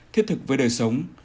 thiết thực với đời sống